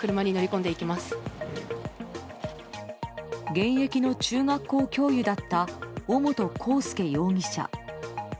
現役の中学校教諭だった尾本幸祐容疑者。